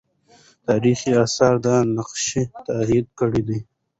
تاریخي آثار دا نقش تایید کړی دی.